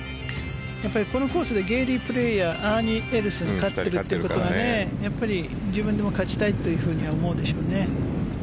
このコースでゲーリー・プレーヤーアーニー・エルスが勝ってるということが自分でも勝ちたいと思うでしょうね。